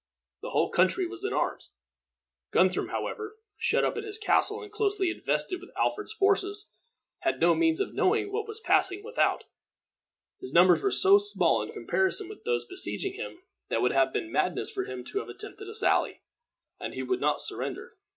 The whole country was in arms. Guthrum, however, shut up in his castle, and closely invested with Alfred's forces, had no means of knowing what was passing without. His numbers were so small in comparison with those besieging him that it would have been madness for him to have attempted a sally; and he would not surrender.